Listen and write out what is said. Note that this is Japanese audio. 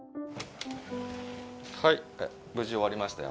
はい無事終わりましたよ。